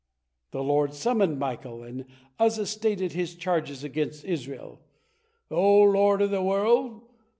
The Lord summoned Michael, and Uzza stated his charges against Israel: "O Lord of the world!